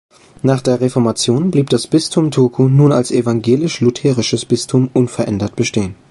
Nach der Reformation blieb das Bistum Turku, nun als evangelisch-lutherisches Bistum, unverändert bestehen.